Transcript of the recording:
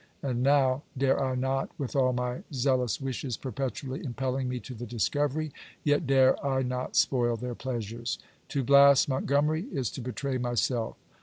And now dare I not, with all my zealous wishes perpetually impelling me to the discovery, yet dare I not spoil their pleasures. To blast Montgomery is to betray myself.